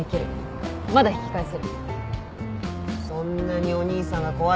そんなにお兄さんが怖いか。